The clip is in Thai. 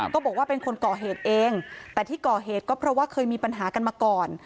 ก็บอกว่าเป็นคนก่อเหตุเองแต่ที่ก่อเหตุก็เพราะว่าเคยมีปัญหากันมาก่อน